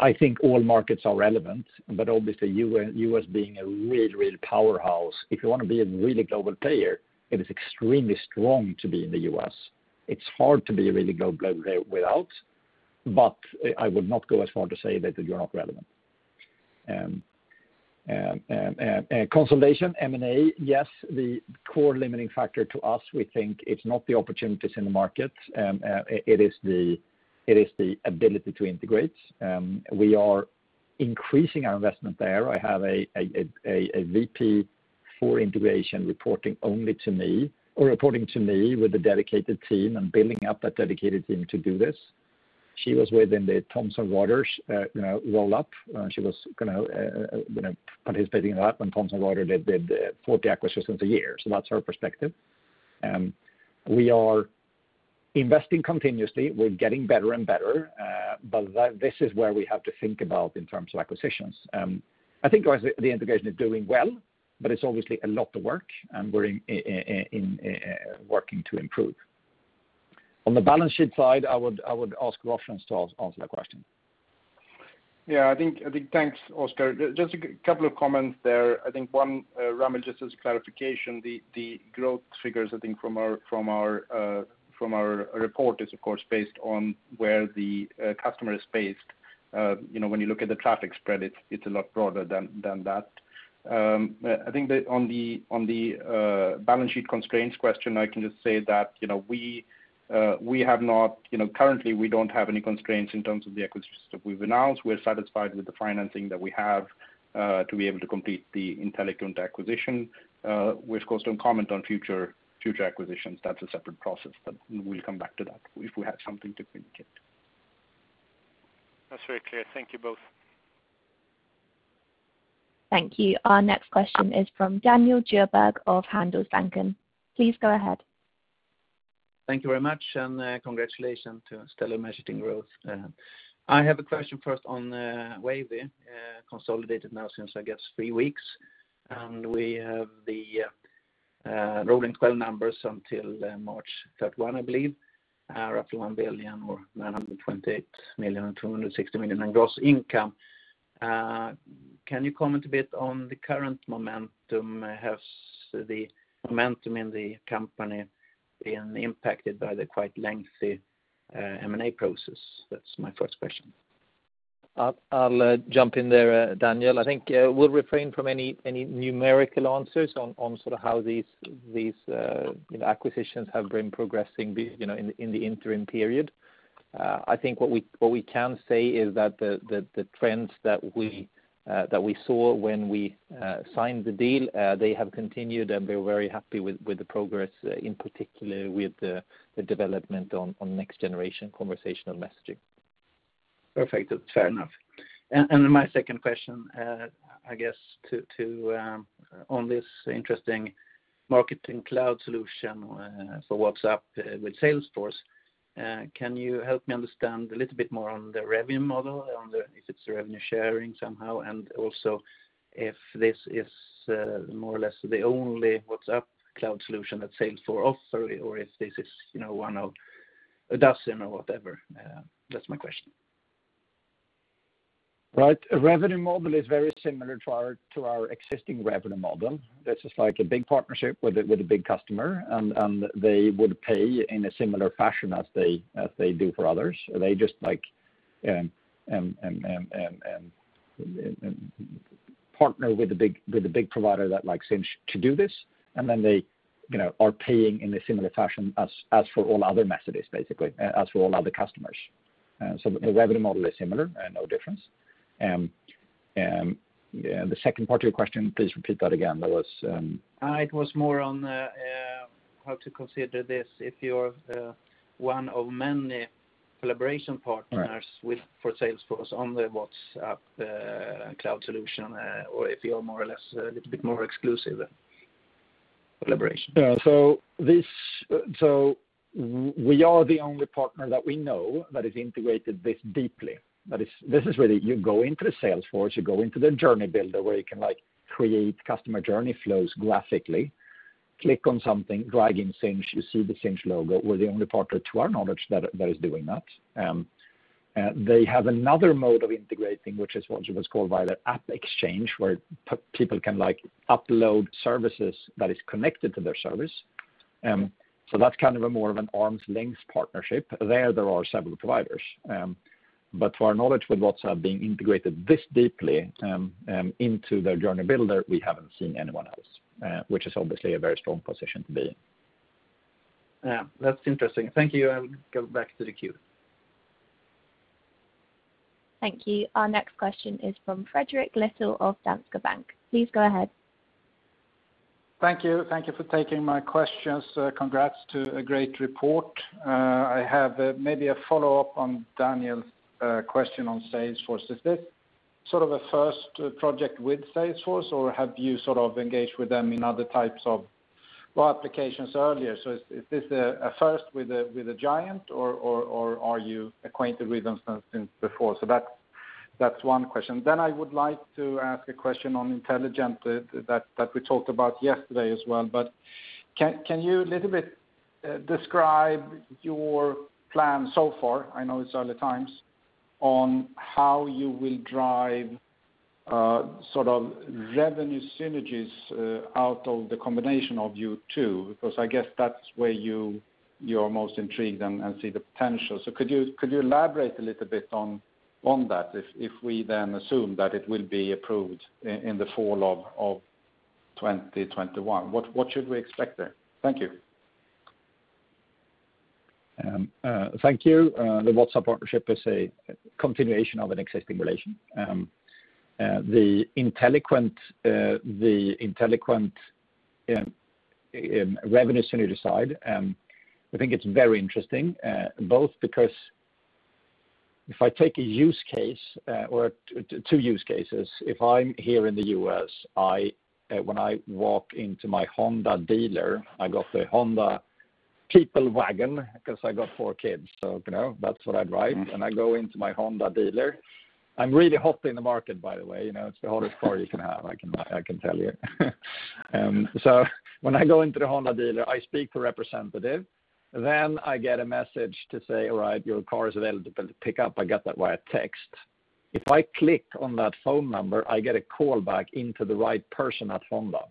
I think all markets are relevant, Obviously, U.S. being a real powerhouse. If you want to be a really global player, it is extremely strong to be in the U.S. It's hard to be a really global player without, but I would not go as far to say that you're not relevant. Consolidation, M&A, yes, the core limiting factor to us, we think it's not the opportunities in the market. It is the ability to integrate. We are increasing our investment there. I have a VP for integration reporting only to me, or reporting to me with a dedicated team and building up a dedicated team to do this. She was with them, the Thomson Reuters roll-up. She was participating in that when Thomson Reuters did 40 acquisitions a year. That's her perspective. We are investing continuously. We're getting better and better. This is where we have to think about in terms of acquisitions. I think the integration is doing well, but it's obviously a lot of work, and we're working to improve. On the balance sheet side, I would ask Roshan to answer that question. Thanks, Oscar. Just a couple of comments there. One, Ramil, just as clarification, the growth figures from our report is, of course, based on where the customer is based. When you look at the traffic spread, it's a lot broader than that. On the balance sheet constraints question, I can just say that currently we don't have any constraints in terms of the acquisitions that we've announced. We're satisfied with the financing that we have to be able to complete the Inteliquent acquisition. We, of course, don't comment on future acquisitions. That's a separate process. We'll come back to that if we have something to communicate. That's very clear. Thank you both. Thank you. Our next question is from Daniel Djurberg of Handelsbanken. Please go ahead. Thank you very much. Congratulations to Stellar Messaging Growth. I have a question first on Wavy, consolidated now since, I guess, three weeks. We have the rolling 12 numbers until March 31, I believe, are roughly 1 billion or 928 million and 260 million in gross income. Can you comment a bit on the current momentum? Has the momentum in the company been impacted by the quite lengthy M&A process? That's my first question. I'll jump in there, Daniel. I think we'll refrain from any numerical answers on how these acquisitions have been progressing in the interim period. I think what we can say is that the trends that we saw when we signed the deal, they have continued, and we're very happy with the progress, in particular with the development on next-generation conversational messaging. Perfect. That's fair enough. My second question on this interesting Marketing Cloud solution for WhatsApp with Salesforce, can you help me understand a little bit more on the revenue model, if it's revenue sharing somehow, and also if this is more or less the only WhatsApp cloud solution that Salesforce offers, or if this is one of a dozen or whatever? That's my question. Right. Revenue model is very similar to our existing revenue model. This is like a big partnership with a big customer, they would pay in a similar fashion as they do for others. They just partner with the big provider, like Sinch, to do this, they are paying in a similar fashion as for all other messages, basically, as for all other customers. The revenue model is similar. No difference. The second part of your question, please repeat that again. It was more on how to consider this, if you're one of many collaboration partners. Right. For Salesforce on the WhatsApp cloud solution, or if you're more or less a little bit more exclusive collaboration. Yeah. We are the only partner that we know that has integrated this deeply. You go into the Salesforce, you go into the Journey Builder, where you can create customer journey flows graphically. Click on something, drag in Sinch, you see the Sinch logo. We're the only partner to our knowledge that is doing that. They have another mode of integrating, which is what's called by the AppExchange, where people can upload services that is connected to their service. That's more of an arm's length partnership. There are several providers. To our knowledge, with WhatsApp being integrated this deeply into their Journey Builder, we haven't seen anyone else, which is obviously a very strong position to be in. Yeah. That's interesting. Thank you. I'll go back to the queue. Thank you. Our next question is from Fredrik Lithell of Danske Bank. Please go ahead. Thank you. Thank you for taking my questions. Congrats to a great report. I have maybe a follow-up on Daniel's question on Salesforce. Is this sort of a first project with Salesforce, or have you engaged with them in other types of applications earlier? Is this a first with a giant, or are you acquainted with them since before? That's one question. I would like to ask a question on Inteliquent that we talked about yesterday as well. Can you, a little bit, describe your plan so far, I know it's early times, on how you will drive revenue synergies out of the combination of you two? Because I guess that's where you're most intrigued and see the potential. Could you elaborate a little bit on that, if we then assume that it will be approved in the fall of 2021? What should we expect there? Thank you. Thank you. The WhatsApp partnership is a continuation of an existing relation. The Inteliquent revenue synergy side, I think it's very interesting, both because if I take a use case or two use cases, if I'm here in the U.S., when I walk into my Honda dealer, I got the Honda people wagon because I got four kids, that's what I drive. I go into my Honda dealer. I'm really hot in the market, by the way. It's the hottest car you can have, I can tell you. When I go into the Honda dealer, I speak to a representative. I get a message to say, "All right, your car is available to pick up." I got that via text. If I click on that phone number, I get a call back into the right person at Honda.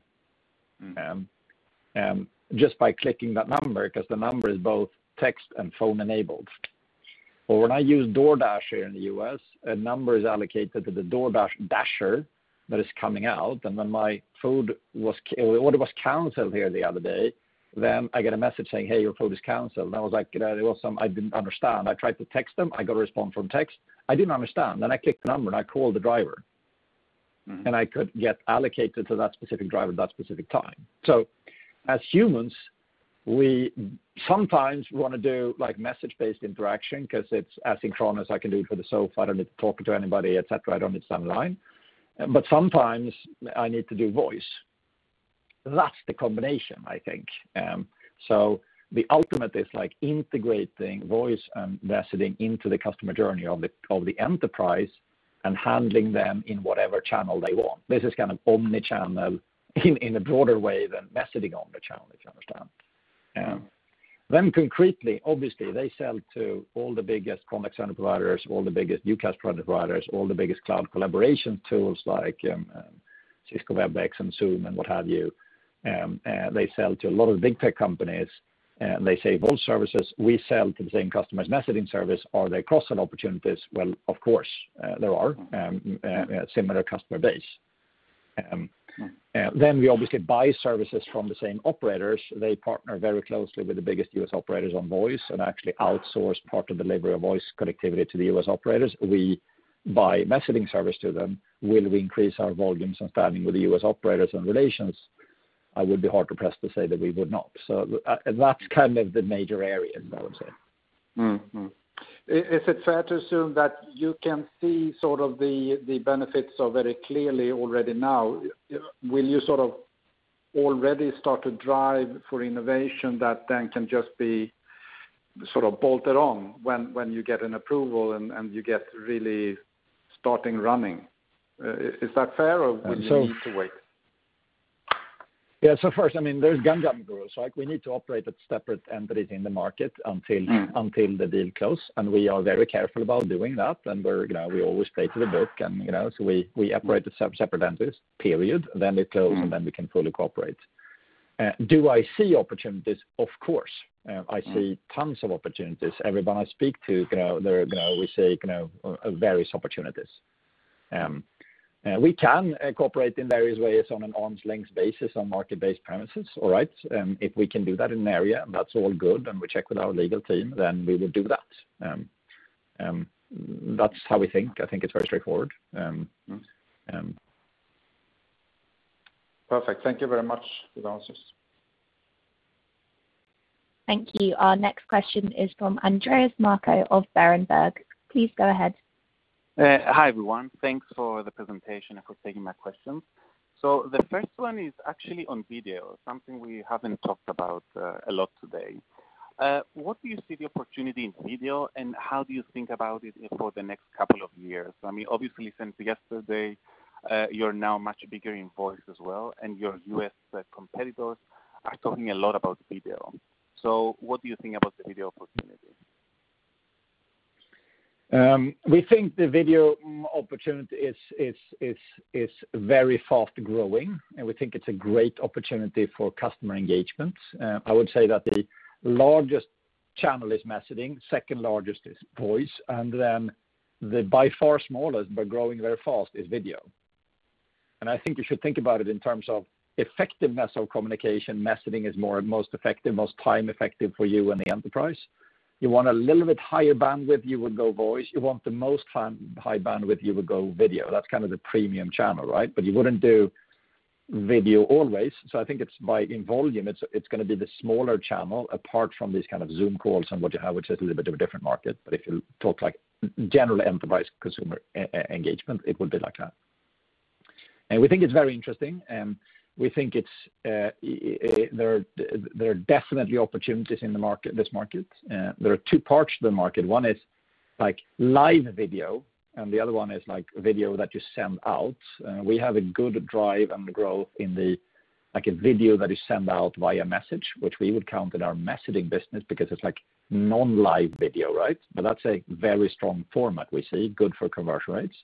By clicking that number, because the number is both text and phone enabled. When I use DoorDash here in the U.S., a number is allocated to the DoorDasher that is coming out. When my order was canceled here the other day, then I get a message saying, "Hey, your food is canceled." I was like, I didn't understand. I tried to text them. I got a response from text. I didn't understand. I clicked the number, and I called the driver. I could get allocated to that specific driver at that specific time. As humans, we sometimes want to do message-based interaction because it's asynchronous. I can do it from the sofa, I don't need to talk to anybody, et cetera. I don't need some line. Sometimes I need to do voice. That's the combination, I think. The ultimate is integrating voice and messaging into the customer journey of the enterprise and handling them in whatever channel they want. This is kind of omnichannel in a broader way than messaging omnichannel, if you understand. Concretely, obviously, they sell to all the biggest contact center providers, all the biggest UCaaS product providers, all the biggest cloud collaboration tools like Cisco Webex and Zoom and what have you. They sell to a lot of the big tech companies, and they say, "Both services we sell to the same customers messaging service. Are there cross-sell opportunities?" Well, of course, there are. Similar customer base. We obviously buy services from the same operators. They partner very closely with the biggest U.S. operators on voice and actually outsource part of the labor of voice connectivity to the U.S. operators. We buy messaging service to them. Will we increase our volumes and standing with the U.S. operators and relations? I would be hard-pressed to say that we would not. That's kind of the major area, I would say. Mm-hmm. Is it fair to assume that you can see the benefits very clearly already now? Will you already start to drive for innovation that then can just be bolted on when you get an approval and you get really starting running? Is that fair, or will you need to wait? First, there's gun-jumping rules. We need to operate as separate entities in the market until the deal close, and we are very careful about doing that. We always play to the book, so we operate as separate entities, period. We close, and then we can fully cooperate. Do I see opportunities? Of course. I see tons of opportunities. Everyone I speak to, we see various opportunities. We can cooperate in various ways on an arm's length basis, on market-based premises. All right. If we can do that in an area, that's all good, and we check with our legal team, then we will do that. That's how we think. I think it's very straightforward. Perfect. Thank you very much for the answers. Thank you. Our next question is from Andreas Markou of Berenberg. Please go ahead. Hi, everyone. Thanks for the presentation and for taking my questions. The first one is actually on video, something we haven't talked about a lot today. What do you see the opportunity in video, and how do you think about it for the next couple of years? Obviously, Sinch yesterday, you're now much bigger in voice as well, and your U.S. competitors are talking a lot about video. What do you think about the video opportunity? We think the video opportunity is very fast-growing. We think it's a great opportunity for customer engagement. I would say that the largest channel is messaging, second largest is voice, then the by far smallest, but growing very fast, is video. I think you should think about it in terms of effectiveness of communication. Messaging is most effective, most time effective for you in the enterprise. You want a little bit higher bandwidth, you would go voice. You want the most high bandwidth, you would go video. That's kind of the premium channel, right? You wouldn't do video always. I think in volume, it's going to be the smaller channel, apart from these kind of Zoom calls and what you have, which is a little bit of a different market. If you talk general enterprise consumer engagement, it would be like that. We think it's very interesting. We think there are definitely opportunities in this market. There are two parts to the market. One is live video, and the other one is video that you send out. We have a good drive and growth in the video that is sent out via message, which we would count in our messaging business because it's like non-live video, right? That's a very strong format we see, good for conversion rates.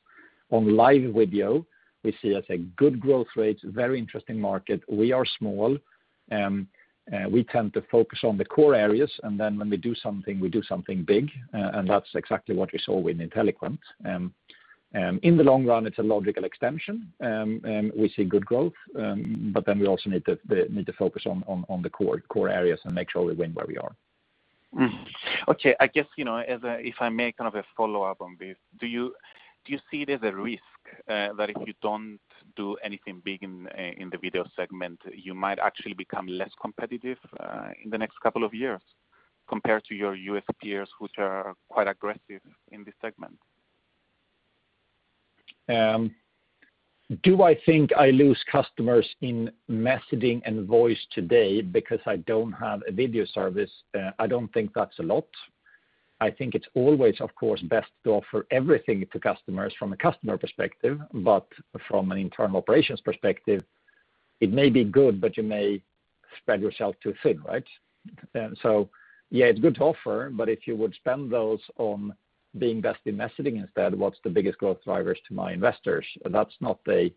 On live video, we see as a good growth rate, very interesting market. We are small. We tend to focus on the core areas, and then when we do something, we do something big, and that's exactly what we saw with Inteliquent. In the long run, it's a logical extension. We see good growth. We also need to focus on the core areas and make sure we win where we are. Okay. I guess, if I make kind of a follow-up on this, do you see it as a risk that if you don't do anything big in the video segment, you might actually become less competitive in the next couple of years compared to your U.S. peers, which are quite aggressive in this segment? Do I think I lose customers in messaging and voice today because I don't have a video service? I don't think that's a lot. I think it's always, of course, best to offer everything to customers from a customer perspective. From an internal operations perspective, it may be good, but you may spread yourself too thin, right? Yeah, it's good to offer, but if you would spend those on being best in messaging instead, what's the biggest growth drivers to my investors? That's not an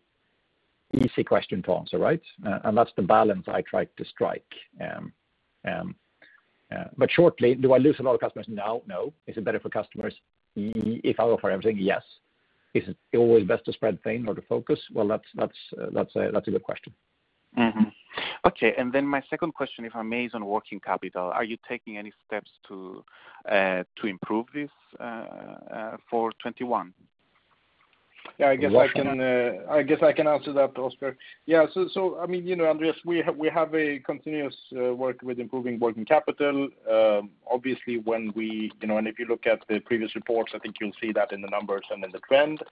easy question to answer, right? That's the balance I try to strike. Shortly, do I lose a lot of customers now? No. Is it better for customers if I offer everything? Yes. Is it always best to spread thin or to focus? Well, that's a good question. Mm-hmm. Okay, my second question, if I may, is on working capital. Are you taking any steps to improve this for 2021? Roshan. I guess I can answer that, Oscar. Andreas, we have a continuous work with improving working capital. If you look at the previous reports, I think you'll see that in the numbers and in the trend.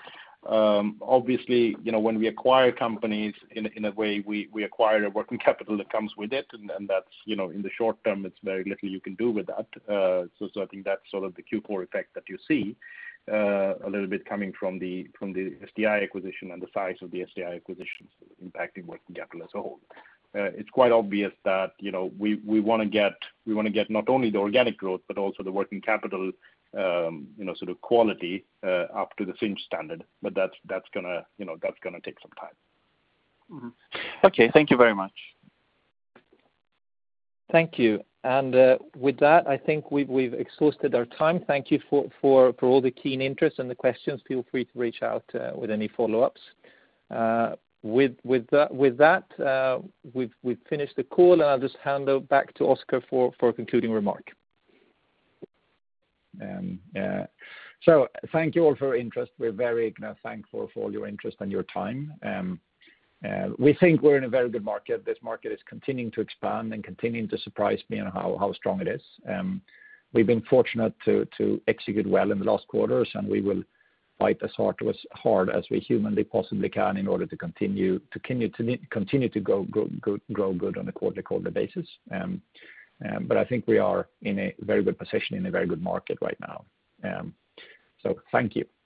When we acquire companies, in a way, we acquire a working capital that comes with it, and in the short term, it's very little you can do with that. I think that's sort of the Q4 effect that you see a little bit coming from the SDI acquisition and the size of the SDI acquisition impacting working capital as a whole. It's quite obvious that we want to get not only the organic growth, but also the working capital quality up to the Sinch standard, but that's going to take some time. Mm-hmm. Okay. Thank you very much. Thank you. With that, I think we've exhausted our time. Thank you for all the keen interest and the questions. Feel free to reach out with any follow-ups. With that, we've finished the call, and I'll just hand it back to Oscar for a concluding remark. Thank you all for your interest. We're very thankful for all your interest and your time. We think we're in a very good market. This market is continuing to expand and continuing to surprise me on how strong it is. We've been fortunate to execute well in the last quarters, and we will fight as hard as we humanly possibly can in order to continue to grow good on a quarter-to-quarter basis. I think we are in a very good position in a very good market right now. Thank you.